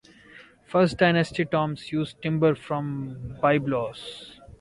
First Dynasty tombs used timbers from Byblos.